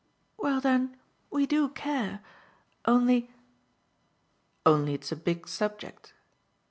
"Well then we do care. Only !" "Only it's a big subject."